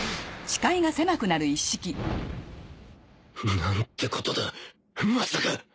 なんてことだまさか！？